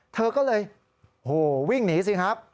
เธอก็เลยวิ่งหนีสิครับ